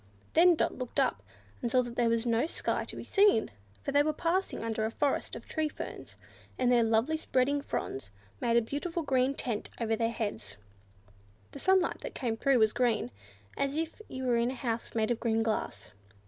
Then Dot looked up, and saw that there was no sky to be seen, or tops of trees; for they were passing under a forest of tree ferns, and their lovely spreading fronds made a perfect green tent over their heads. The sunlight that came through was green, as if you were in a house made of green glass.